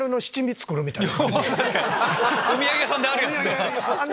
お土産屋さんであるやつだ！